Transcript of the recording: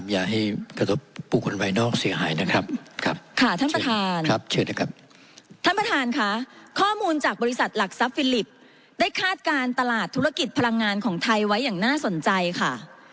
ท่านประธานค่ะข้อมูลจากบริษัทหลักทรัพย์ฟิลิปได้คาดการตลาดธุรกิจพลังงานของไทยไว้อย่างน่าสนใจค่ะ